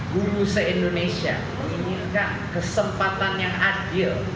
guru se indonesia menginginkan kesempatan yang adil